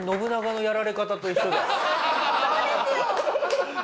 そうですよ！